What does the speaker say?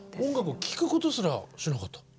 音楽を聴くことすらしなかった。